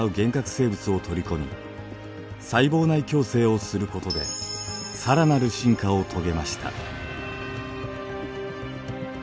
生物を取り込み細胞内共生をすることで更なる進化を遂げました。